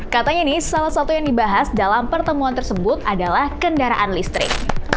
katanya nih salah satu yang dibahas dalam pertemuan tersebut adalah kendaraan listrik